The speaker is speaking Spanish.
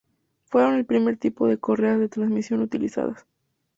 Fueron el primer tipo de correas de transmisión utilizadas.